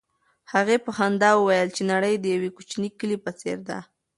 هغې په خندا وویل چې نړۍ د یو کوچني کلي په څېر ده.